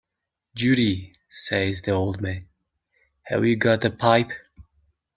"Judy," says the old man, "have you got the pipe?"